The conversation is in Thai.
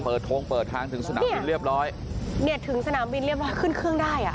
โทงเปิดทางถึงสนามบินเรียบร้อยเนี่ยถึงสนามบินเรียบร้อยขึ้นเครื่องได้อ่ะ